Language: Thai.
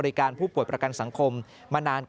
เพราะว่าเราอยู่ในเครือโรงพยาบาลกรุงเทพฯนี่ก็เป็นในระดับโลก